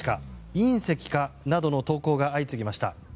隕石か？などの投稿が相次ぎました。